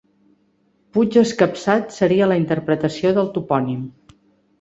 Puig escapçat seria la interpretació del topònim.